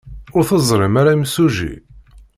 Ur teẓrim ara imsujji?